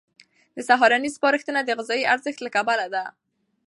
د سهارنۍ سپارښتنه د غذایي ارزښت له کبله ده.